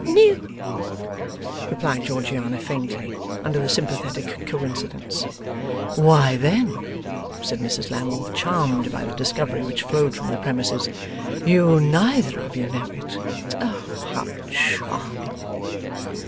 'N no,' replied Georgiana, faintly, under the sympathetic coincidence. 'Why, then,' said Mrs Lammle, charmed by the discovery which flowed from the premises, 'you neither of you know it! How charming!